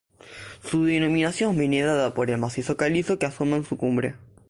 Su denominación viene dada por el macizo calizo que asoma en su cumbre.